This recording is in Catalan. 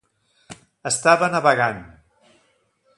Estava navegant.